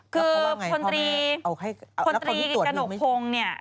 คือพนตรีกระหนกพงษ์เนี่ย